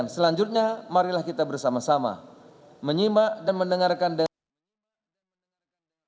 selanjutnya marilah kita bersama sama menyimak dan mendengarkan